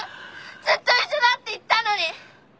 ずっと一緒だって言ったのに！